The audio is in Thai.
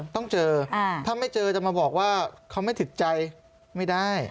ต้องเจอถ้าไม่เจอจะมาบอกว่าเขาไม่ถึงใจไม่ได้